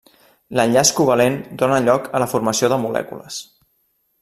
L'enllaç covalent dóna lloc a la formació de molècules.